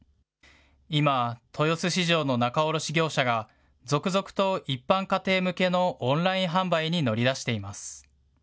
今、豊洲市場の仲卸業者が続々と一般家庭向けのオンライン販売に乗り出しています。